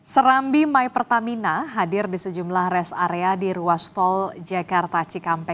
serambi my pertamina hadir di sejumlah rest area di ruas tol jakarta cikampek